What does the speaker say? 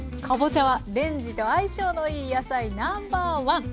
かぼちゃはレンジと相性のいい野菜ナンバーワン。